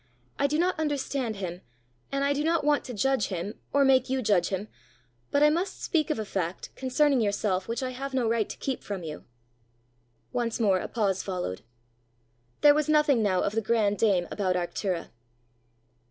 I do not understand him, and I do not want to judge him, or make you judge him. But I must speak of a fact, concerning yourself, which I have no right to keep from you." Once more a pause followed. There was nothing now of the grand dame about Arctura.